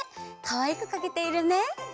かわいくかけているね！